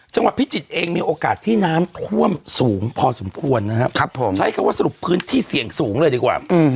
พิจิตรเองมีโอกาสที่น้ำท่วมสูงพอสมควรนะครับผมใช้คำว่าสรุปพื้นที่เสี่ยงสูงเลยดีกว่า